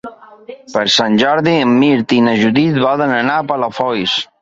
Per Sant Jordi en Mirt i na Judit volen anar a Palafolls.